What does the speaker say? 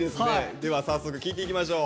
では早速聞いていきましょう。